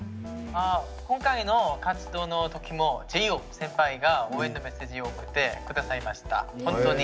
今回の活動のときもＪＩＭＩＮ先輩が応援のメッセージを送ってくださいました。